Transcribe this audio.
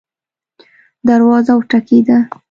دروازه وټکیده